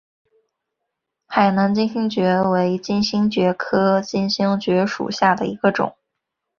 海南金星蕨为金星蕨科金星蕨属下的一个种。